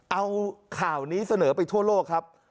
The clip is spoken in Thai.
เอาข่าวนี้เสนอไปทั่วโลกครับ